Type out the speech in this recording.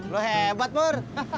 lo hebat pur